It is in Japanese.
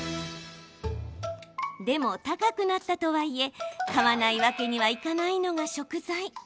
でも、高くなったとはいえ買わないわけにはいかないのが食材。